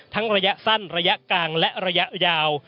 ระยะสั้นระยะกลางและระยะยาว